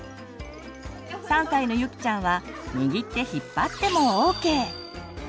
３歳のゆきちゃんはにぎって引っ張ってもＯＫ！